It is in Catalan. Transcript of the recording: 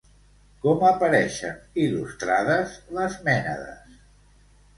Com apareixien il·lustrades les mènades?